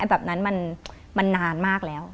แบบนั้นมันนานมากแล้ว